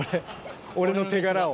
「俺の手柄を」？